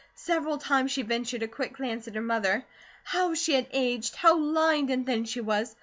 Several times she ventured a quick glance at her mother. How she had aged! How lined and thin she was!